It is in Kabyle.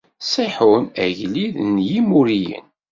Siḥun, agellid n Yimuriyen.